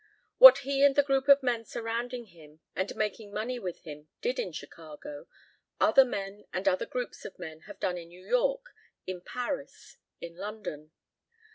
What he and the group of men surrounding him and making money with him did in Chicago, other men and other groups of men have done in New York, in Paris, in London.